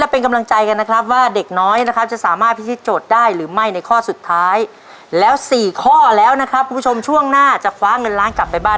เป็นไข่เป็ดครับ